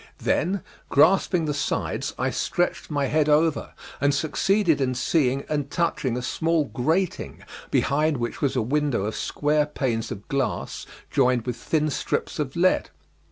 Then grasping the sides I stretched my head over, and succeeded in seeing and touching a small grating, behind which was a window of square panes of glass joined with thin strips of lead.